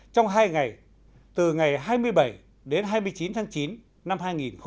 trong hai ngày từ ngày hai mươi bảy đến hai mươi chín tháng chín năm hai nghìn một mươi chín